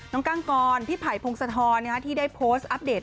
ก้างกรพี่ไผ่พงศธรที่ได้โพสต์อัปเดต